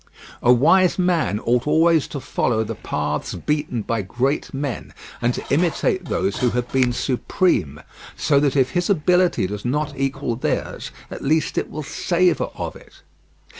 A wise man ought always to follow the paths beaten by great men, and to imitate those who have been supreme, so that if his ability does not equal theirs, at least it will savour of it.